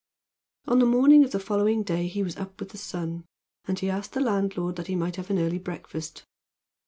On the morning of the following day he was up with the sun, and he asked of the landlord that he might have an early breakfast.